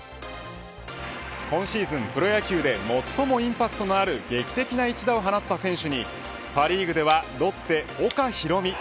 今シーズンプロ野球で最もインパクトのある劇的な一打を放った選手にパ・リーグではロッテ岡大海。